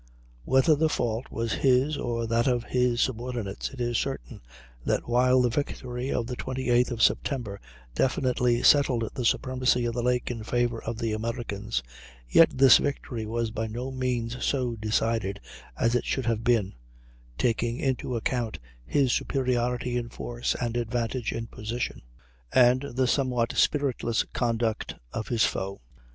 Whether the fault was his or that of his subordinates, it is certain that while the victory of the 28th of September definitely settled the supremacy of the lake in favor of the Americans, yet this victory was by no means so decided as it should have been, taking into account his superiority in force and advantage in position, and the somewhat spiritless conduct of his foe.